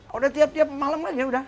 sudah tiap tiap malam saja